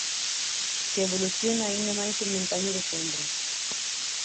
Que evoluciona aínda máis en Montaña de sombra.